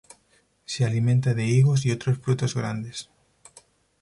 Se alimenta de higos y otros frutos grandes.